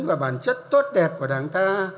và bản chất tốt đẹp của đảng ta